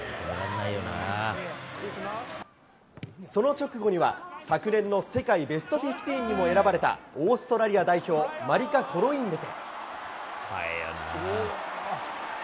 その直後には、昨年の世界ベスト１５にも選ばれた、オーストラリア代表、マリカ・コロインベテ。